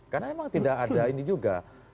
karena memang tidak ada ini juga